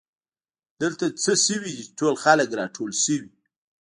دلته څه شوي دي چې ټول خلک راټول شوي